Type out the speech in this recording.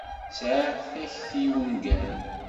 Sεiɣ takti i wungal.